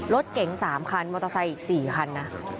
รถเก๋ง๓คันมอเตอร์ไซค์อีก๔คันนะ